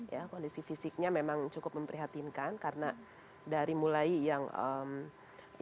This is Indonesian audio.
ya kondisi fisiknya memang cukup memprihatinkan karena dari mulai yang eee yang tidak yang terhubung